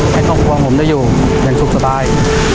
ให้ครอบครัวผมได้อยู่อย่างสุขสบาย